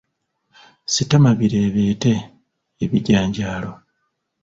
Sitama bireebeete, Ebijanjaalo.